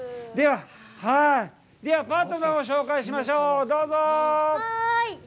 ではパートナーを紹介しましょう、どうぞ。